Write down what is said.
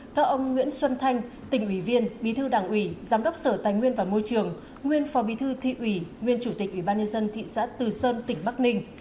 theo ông nguyễn xuân thanh tỉnh ủy viên bí thư đảng ủy giám đốc sở tài nguyên và môi trường nguyên phó bí thư thị ủy nguyên chủ tịch ủy ban nhân dân thị xã từ sơn tỉnh bắc ninh